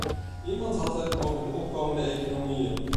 Iemand had het over de opkomende economieën.